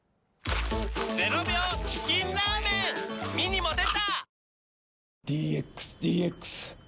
ミニも出た！